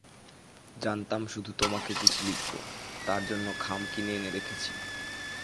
জানতাম শুধু তোমাকে চিঠি লিখব, তার জন্য খাম কিনে এনে রেখেছি।